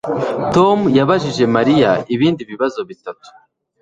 Tom yabajije Mariya ibindi bibazo bitatu